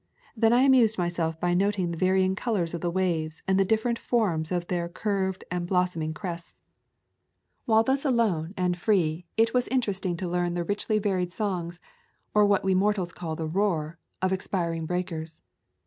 Then I amused myself by noting the varying colors of the waves and the different forms of their curved and blossom ing crests. While thus alone and free it was [ 161 ] A Thousand Mile Walk interesting to learn the richly varied songs, or what we mortals call the roar, of expiring breakers.